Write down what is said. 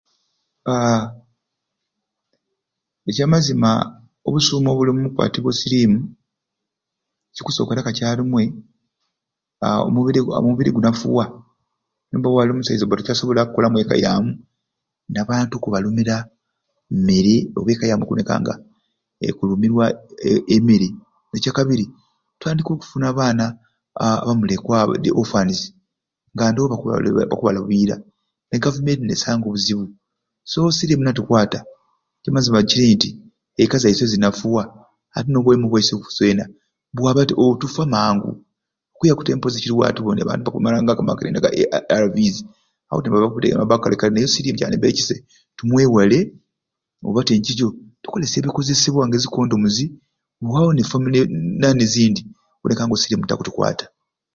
Haa ekyamazima obusume obuli omu kukwatibwa osirimu ekikusokera kakyarumwei haa omubiri omubiro gunafuwa noba wali omusaiza oba tokyasobola kukola mweka yamu n'abantu kubalumira mmere oba ekka yamu okuboneka nga ekulumibibwa emmere ekyakabiri otandika okufuna abaana abamulekwa oba aba orphan nga ndowo aku akubalabira e government nesanga obuzibu so osirimu natukwata ekyamazima kiri nti ekka zaiswe zinafuwa ate n'obwomi bwaiswe iswena bwaba te tufa mangu okwiyaku te ekiriwo noba okumirangaku amakerenda ga ARVS awote waba kale kale ku naye osirimu kyakubeire kisai tumwewale oba tinkikyo tukolesye obukezesebwa nka ezi condoms wewawo ne family ezindi kkuboneka nga osirimu takutukwata